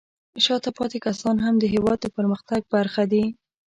شاته پاتې کسان هم د هېواد د پرمختګ برخه دي.